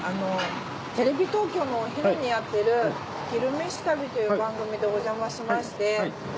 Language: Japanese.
テレビ東京のお昼にやってる「昼めし旅」という番組でおじゃましまして。